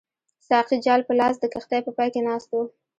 ساقي جال په لاس د کښتۍ په پای کې ناست وو.